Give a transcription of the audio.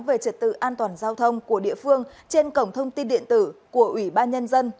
về trật tự an toàn giao thông của địa phương trên cổng thông tin điện tử của ủy ban nhân dân